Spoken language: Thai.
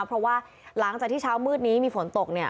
เพราะว่าหลังจากที่เช้ามืดนี้มีฝนตกเนี่ย